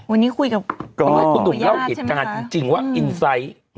วันนี้คุยกับคุณหนุ่มเล่ากิจจังหาจริงจริงว่าอืม